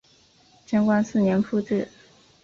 贞观四年复置。